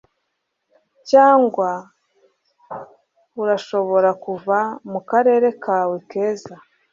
cyangwa urashobora kuva mukarere kawe keza